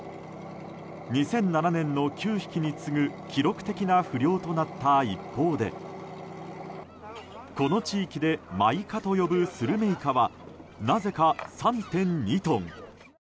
２００７年の９匹に次ぐ記録的な不漁となった一方でこの地域でマイカと呼ぶスルメイカはなぜか、３．２トン。